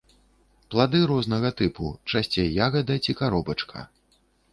Плады рознага тыпу, часцей ягада ці каробачка.